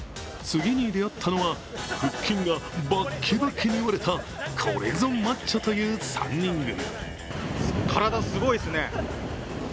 次に出会ったのは、腹筋がバッキバキに割れたこれぞ、マッチョという３人組。